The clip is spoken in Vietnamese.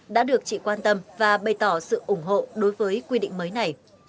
đã được chị quan tâm và bày tỏ sự ủng hộ đối với quy định mới này